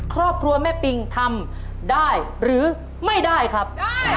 ครอบครัวแม่ปิงทำได้หรือไม่ได้ครับ